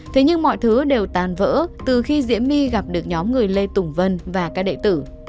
thế nhưng mọi thứ đều tàn vỡ từ khi diễm my gặp được nhóm người lê tùng vân và các đệ tử